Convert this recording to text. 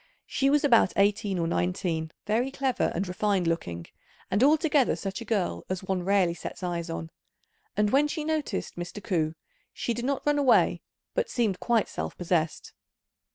She was about eighteen or nineteen, very clever and refined looking, and altogether such a girl as one rarely sets eyes on; and when she noticed Mr. Ku, she did not run away, but seemed quite self possessed.